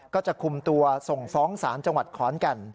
ก็จะคุมตัวส่งฟ้องศาลจังหวัดขอนแก่น